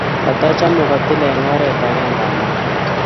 Katachome kotil eng oret agenge ana ake